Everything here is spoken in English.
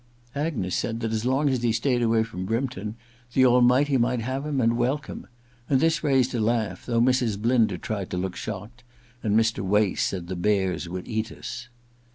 Asnes said that as long as he stayed away nrom Brympton the Almighty might have him and welcome ; and this raised a laugh, though Mrs. Blinder tried to look shocked, and Mr. Wace sdid the bears would eat us.